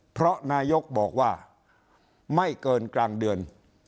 เพราะนายกบอกว่าไม่เกินกลางเดือน